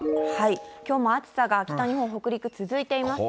きょうも暑さが北日本、北陸、続いていますね。